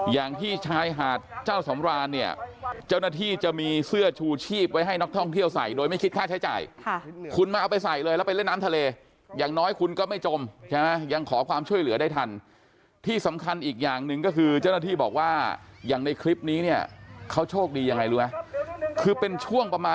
อย่างที่ชายหาดเจ้าสำรานเนี่ยเจ้าหน้าที่จะมีเสื้อชูชีพไว้ให้นักท่องเที่ยวใส่โดยไม่คิดค่าใช้จ่ายคุณมาเอาไปใส่เลยแล้วไปเล่นน้ำทะเลอย่างน้อยคุณก็ไม่จมใช่ไหมยังขอความช่วยเหลือได้ทันที่สำคัญอีกอย่างหนึ่งก็คือเจ้าหน้าที่บอกว่าอย่างในคลิปนี้เนี่ยเขาโชคดียังไงรู้ไหมคือเป็นช่วงประมาณ